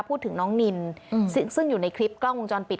พูดถึงน้องนินซึ่งอยู่ในคลิปกล้องวงจรปิด